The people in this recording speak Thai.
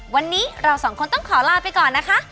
วันนี้เราสองคนต้องขอลาไปก่อนนะคะ